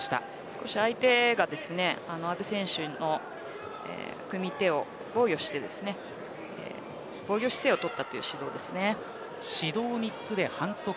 少し相手が阿部選手の組み手を防御して防御姿勢を取ったという指導です。